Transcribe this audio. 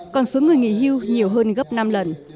còn số người nghỉ hưu nhiều hơn gấp năm lần